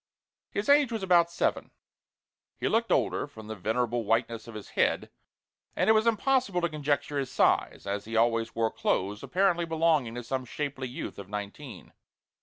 His age was about seven. He looked older, from the venerable whiteness of his head, and it was impossible to conjecture his size, as he always wore clothes apparently belonging to some shapely youth of nineteen.